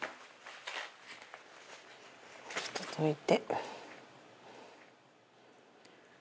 ちょっと拭いて。